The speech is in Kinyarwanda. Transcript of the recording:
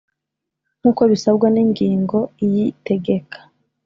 nkuko bisabwa n ingingo iyi tegeka